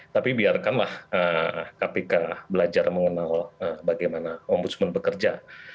tapi biarkanlah kpk belajar mengenal bagaimana ombudsman bekerja